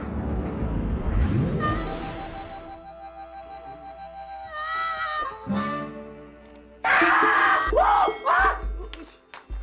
aku seorang jelajah